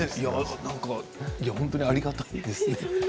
本当にありがたいです。